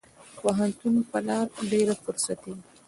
پوهنتون په لار ډېره فرصتي وه.